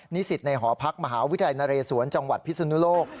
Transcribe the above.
นิสิตในหอพักมหาวิทยาลัยนเรศวรจังหวัดพิศนุโลก